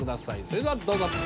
それではどうぞ。